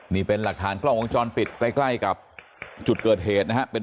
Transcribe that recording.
นี่เป็นหลักฐานกล้องวงจรปิดใกล้กับจุดเกิดเหตุนะฮะ